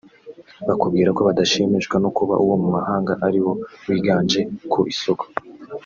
bakubwira ko badashimishwa no kuba uwo mu mahanga ari wo wiganje ku isoko